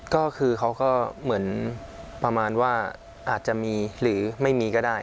ก็คือเขาก็เหมือนประมาณว่าอาจจะมีหรือไม่มีก็ได้